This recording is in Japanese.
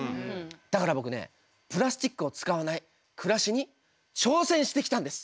だから僕ねプラスチックを使わない暮らしに挑戦してきたんです。